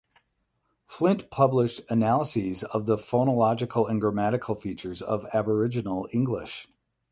Flint published analyses of the phonological and grammatical features of Aboriginal English.